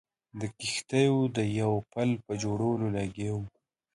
د کښتیو د یوه پله په جوړولو لګیا وو.